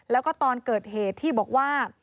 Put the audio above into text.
แล้วก็ตอนเกิดเหตุที่บอกว่า